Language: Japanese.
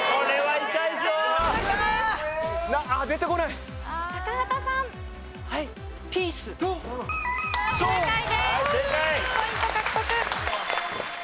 １０ポイント獲得。